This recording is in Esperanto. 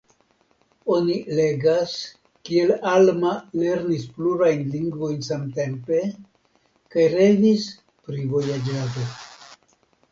Oni legas kiel Alma lernis plurajn lingvojn samtempe kaj revis pri vojaĝado.